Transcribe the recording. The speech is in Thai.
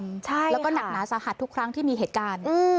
ใช่แล้วก็หนักหนาสาหัสทุกครั้งที่มีเหตุการณ์